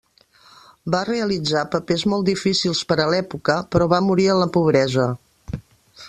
Va realitzar papers molt difícils per a l'època, però va morir en la pobresa.